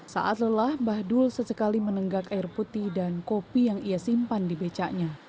saat lelah mbahdul sesekali menenggak air putih dan kopi yang ia simpan di becanya